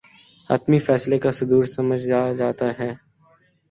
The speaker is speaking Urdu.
حتمی فیصلے کا صدور سمجھا جاتا ہے